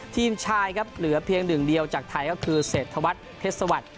ทีมชายครับเหลือเพียงหนึ่งเดียวจากไทยก็คือเศรษฐวัฒน์เพชรสวัสดิ